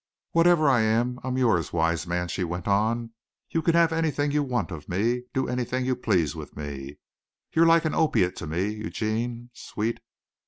"Whatever I am, I'm yours, wise man," she went on. "You can have anything you want of me, do anything you please with me. You're like an opiate to me, Eugene, sweet!